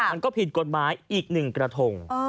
มันก็ผิดกฎหมายอีก๑กระทง